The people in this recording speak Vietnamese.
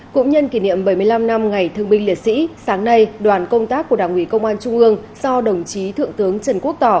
cũng nhân kỷ niệm bảy mươi năm năm ngày thương binh liệt sĩ sáng nay đoàn công tác của đảng ủy công an trung ương do đồng chí thượng tướng trần quốc tỏ